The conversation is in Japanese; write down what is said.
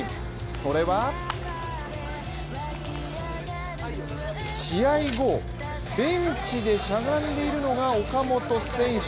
それは試合後、ベンチでしゃがんでいるのが岡本選手。